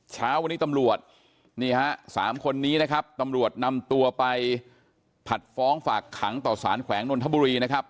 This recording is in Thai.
เช้าวันนี้ตำรวจนี่ฮะสามคนนี้นะครับตำรวจนำตัวไปผัดฟ้องฝากขังต่อสารแขวงนนทบุรีนะครับ